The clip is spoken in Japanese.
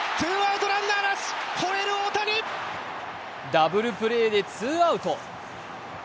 ダブルプレーでツーアウト。